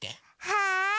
はい！